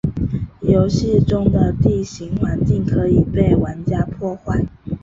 游戏中的地形环境可以被玩家破坏。